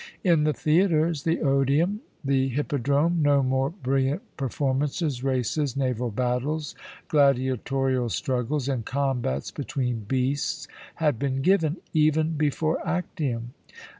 In the theatres, the Odeum, the Hippodrome, no more brilliant performances, races, naval battles, gladiatorial struggles, and combats between beasts had been given, even before Actium.